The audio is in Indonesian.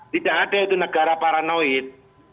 tidak ada itu negara paranoid